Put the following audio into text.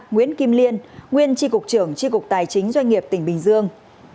nguyễn kim liên nguyên tri cục trưởng tri cục tài chính doanh nghiệp tỉnh bình dương